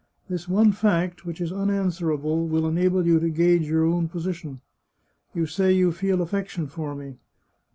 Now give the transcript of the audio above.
This one fact, which is unanswerable, will enable you to gauge your own position. You say you feel affection for me.